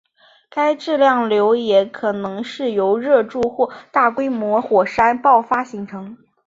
该质量瘤也可能是由热柱或大规模火山爆发形成。